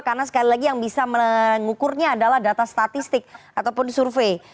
dan lagi yang bisa mengukurnya adalah data statistik ataupun survei